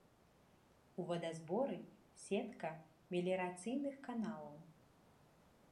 У вадазборы сетка меліярацыйных каналаў.